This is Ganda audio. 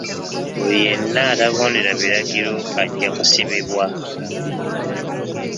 Buli yenna atagondera biragiro ajja kusibibwa.